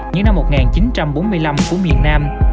những năm một nghìn chín trăm bốn mươi năm của miền nam